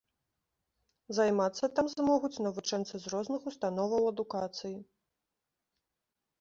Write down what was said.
Займацца там змогуць навучэнцы з розных установаў адукацыі.